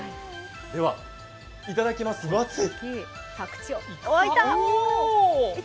ではいただきます、分厚い。